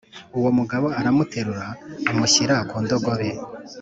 Uwo mugabo aramuterura amushyira ku ndogobe